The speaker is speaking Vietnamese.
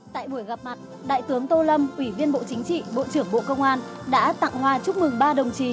tại buổi gặp mặt đại tướng tô lâm ủy viên bộ chính trị bộ trưởng bộ công an đã tặng hòa chúc mừng ba đồng chí